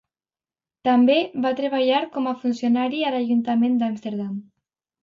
També va treballar com a funcionari a l'Ajuntament d'Amsterdam.